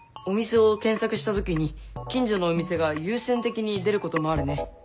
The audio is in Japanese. お店を検索した時に近所のお店が優先的に出ることもあるね。